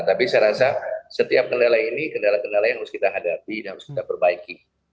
tapi saya rasa setiap kendala ini kendala kendala yang harus kita hadapi dan harus kita perbaiki